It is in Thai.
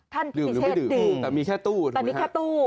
ท่านพิเศษดื่มแต่มีแค่ตู้แต่มีแค่ตู้